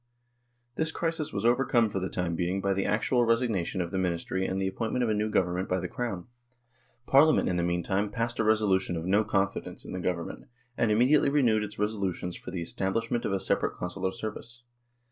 This crisis was overcome for the time being by the actual resignation of the Ministry and the appointment of a new Government by the Crown. Parliament in the meantime passed a resolution of QUESTION OF THE CONSULAR SERVICE 71 "no confidence" in the Government, and immediately renewed its resolutions for the establishment of a separate Consular service.